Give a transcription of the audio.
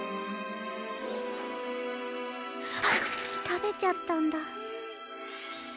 たべちゃったんだ。